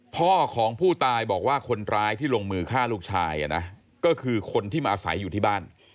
พ่อของผู้ตายบอกว่าคนร้ายที่ลงมือฆ่าลูกชายนะก็คือคนที่มาอาศัยอยู่ที่บ้าน